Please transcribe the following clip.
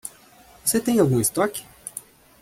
Você tem algum estoque?